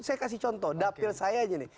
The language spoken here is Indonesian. saya kasih contoh dapil saya aja nih